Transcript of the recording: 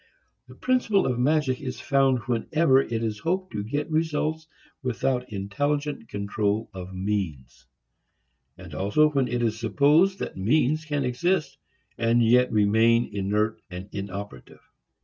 The principle of magic is found whenever it is hoped to get results without intelligent control of means; and also when it is supposed that means can exist and yet remain inert and inoperative.